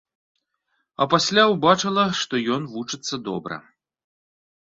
А пасля ўбачыла, што ён вучыцца добра.